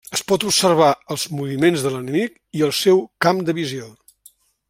Es pot observar els moviments de l'enemic i el seu camp de visió.